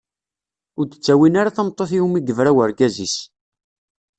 Ur d-ttawin ara tameṭṭut iwumi i yebra urgaz-is.